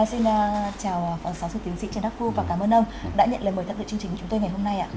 xin chào phó giáo sư tiến sĩ trần đắc phu và cảm ơn ông đã nhận lời mời tham gia chương trình của chúng tôi ngày hôm nay